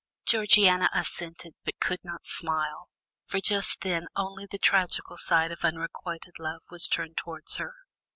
Georgiana assented but could not smile; for just then only the tragical side of unrequited love was turned towards her.